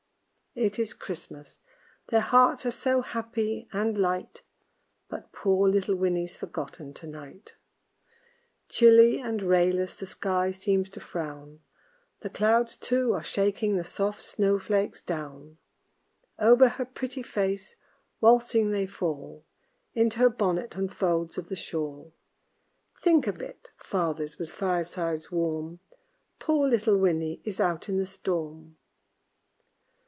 It is Christmas; their hearts are so happy and light But poor little Winnie's forgotten to night. Chilly and rayless the sky seems to frown, The clouds, too, are shaking the soft snow flakes down; Over her pretty face, waltzing they fall Into her bonnet and folds of the shawl; Think of it, fathers, with firesides warm, Poor little Winnie is out in the storm.